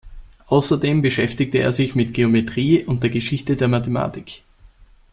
Außerdem beschäftigte er sich mit Geometrie und der Geschichte der Mathematik.